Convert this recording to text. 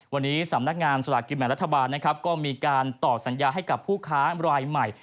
วันนี้สำนักงานสลากกินแบ่งรัฐบาลนะครับก็มีการต่อสัญญาให้กับผู้ค้ารายใหม่